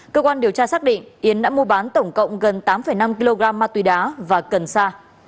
cơ quan điều tra xác định yến đã mua bán tổng cộng gần tám năm kg ma túy đá và cần sa